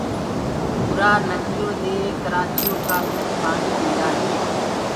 اُرآ نديو دي ڪرآچيو ڪآ منک پآڻي پينٚدآ هينٚ